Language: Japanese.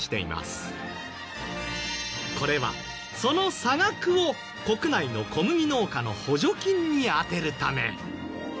これはその差額を国内の小麦農家の補助金に充てるため。